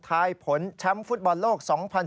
ยผลแชมป์ฟุตบอลโลก๒๐๑๖